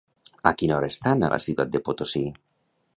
A quina hora estan a la ciutat de Potosí?